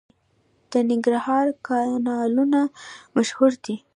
د ننګرهار کانالونه مشهور دي.